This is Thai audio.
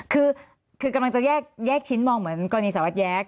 คือกำลังจะแยกชิ้นมองเหมือนกรณีสารวัตรแย้